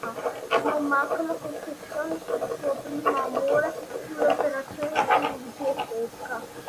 Non mancano confessioni sul suo primo amore e sulle operazioni di chirurgia estetica.